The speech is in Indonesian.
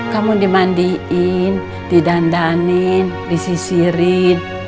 kamu dimandiin didandanin disisirin